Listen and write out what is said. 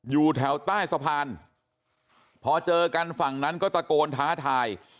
อยู่แถวใต้สะพานพอเจอกันฝั่งนั้นก็ตะโกนท้าทาย